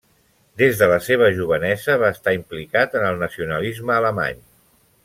Des de la seva jovenesa va estar implicat en el nacionalisme alemany.